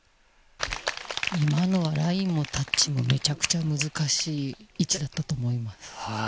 今のはラインもタッチもめちゃくちゃ難しい位置だったと思います。